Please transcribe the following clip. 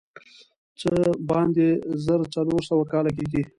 څه باندې زر څلور سوه کاله کېږي.